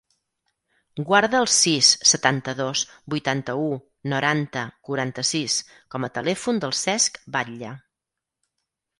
Guarda el sis, setanta-dos, vuitanta-u, noranta, quaranta-sis com a telèfon del Cesc Batlle.